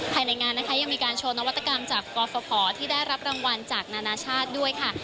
ภายในงานนะคะยังมีการโชว์นวัตกรรมจากกรฟภที่ได้รับรางวัลจากนานาชาติด้วยค่ะ